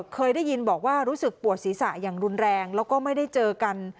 เคยได้ยินบอกว่ารู้สึกปวดศีรษะอย่างรุนแรงแล้วก็ไม่ได้เจอกัน